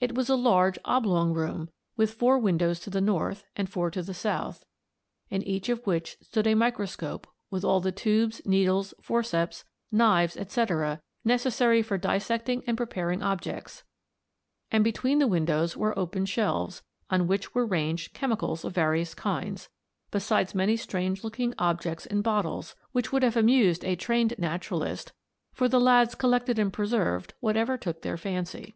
It was a large oblong room, with four windows to the north, and four to the south, in each of which stood a microscope with all the tubes, needles, forceps, knives, etc., necessary for dissecting and preparing objects; and between the windows were open shelves, on which were ranged chemicals of various kinds, besides many strange looking objects in bottles, which would have amused a trained naturalist, for the lads collected and preserved whatever took their fancy.